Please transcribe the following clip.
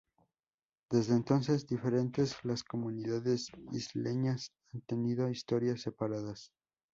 Desde entonces, diferentes las comunidades isleñas han tenido historias separadas.